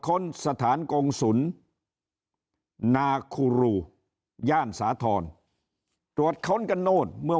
ค้นสถานกงศุลนาคูรูย่านสาธรณ์ตรวจค้นกันโน่นเมื่อ